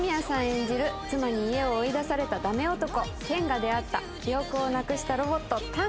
演じる妻に家を追い出されたダメ男健が出会った記憶をなくしたロボットタング。